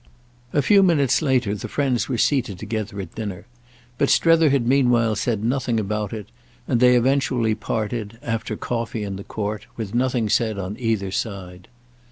A few minutes later the friends were seated together at dinner; but Strether had meanwhile said nothing about it, and they eventually parted, after coffee in the court, with nothing said on either side.